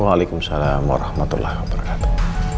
waalaikumsalam warahmatullahi wabarakatuh